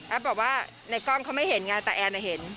บอกว่าในกล้องเขาไม่เห็นไงแต่แอนเห็น